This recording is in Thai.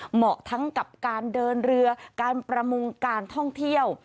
เหมาะทั้งกับการเดินเรือการประมงการท่องเที่ยว